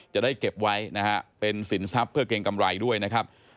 จะได้เก็บไว้นะฮะเป็นสินทรัพย์เพื่อเกรงกำไรด้วยนะครับ